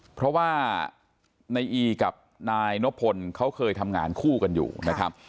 เพราะว่าในอีกับนายนพลเขาเคยทำงานคู่กันอยู่นะครับ